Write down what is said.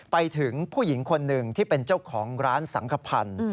ไปถึงผู้หญิงคนหนึ่งที่เป็นเจ้าของร้านสังขพันธ์